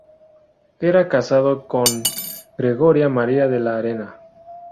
Era casado con Gregoria María de la Arena.